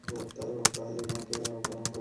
আধিনিকে অপহরণ করার সে কে?